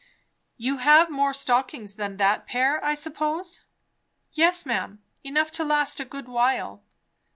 "You have more stockings than that pair, I suppose?" "Yes, ma'am; enough to last a good while."